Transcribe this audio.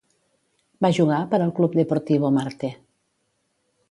Va jugar per al Club Deportivo Marte.